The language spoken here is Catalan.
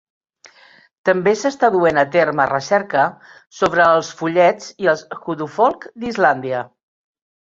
També s'està duent a terme recerca sobre els follets i els "Huldufólk" d'Islàndia.